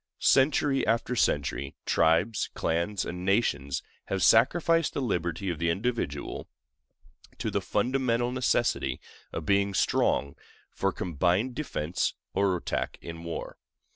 Century after century, tribes, clans, and nations have sacrificed the liberty of the individual to the fundamental necessity of being strong for combined defense or attack in war.